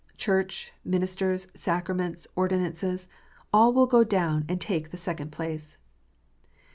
Church, ministers, sacraments, ordinances, all will go down, and take the second place.